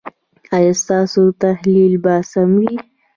ایا ستاسو تحلیل به سم وي؟